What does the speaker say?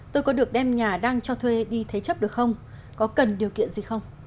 tôi có được đem nhà đang cho thuê đi thế chấp được không có cần điều kiện gì không